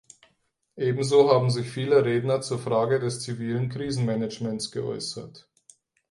Ebenso haben sich viele Redner zur Frage des zivilen Krisenmanagements geäußert.